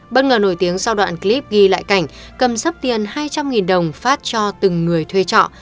bất ngờ nổi tiếng sau đoạn clip ghi lại cảnh cầm sắp tiền hai trăm linh đồng phát cho từng người thuê trọ